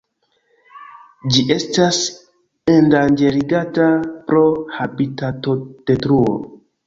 Ĝi estas endanĝerigata pro habitatodetruo.